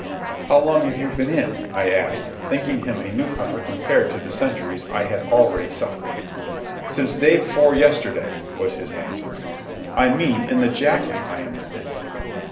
"How long have you been in?" I asked, thinking him a new comer compared to the centuries I had already suffered. "Since day before yesterday," was his answer. "I mean in the jacket," I amended.